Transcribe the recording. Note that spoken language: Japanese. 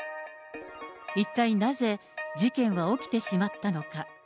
一体なぜ、事件は起きてしまったのか。